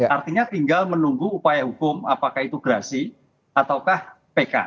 artinya tinggal menunggu upaya hukum apakah itu gerasi ataukah pk